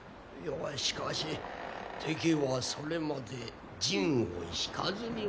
いやしかし敵はそれまで陣を引かずにおるのかの。